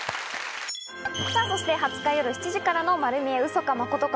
さぁそして２０日夜７時からの『まる見え！ウソかマコトか？